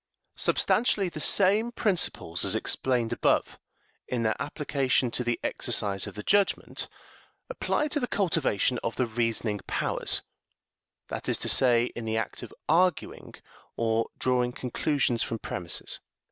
Substantially the same principles as explained above, in their application to the exercise of the judgment, apply to the cultivation of the reasoning powers that is to say, in the act of arguing, or drawing conclusions from premises.